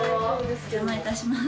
お邪魔致します。